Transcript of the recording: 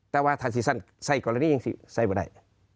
แต่ว่าท่านสิสันใส่กรณีนี้ยังใส่ไม่ได้